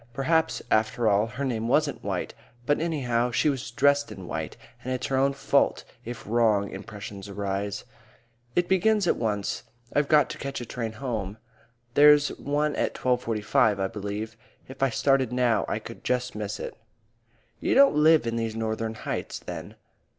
Perhaps, after all, her name wasn't White, but, anyhow, she was dressed in White, and it's her own fault if wrong impressions arise. "It begins at once. I've got to catch a train home. There's one at 12.45, I believe. If I started now I could just miss it." "You don't live in these Northern Heights, then?"